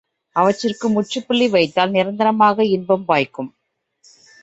அவற்றிற்கு முற்றுப்புள்ளி வைத்தால் நிரந்தரமான இன்பம் வாய்க்கும்.